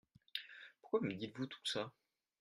Pourquoi me dites-vous tout ça ?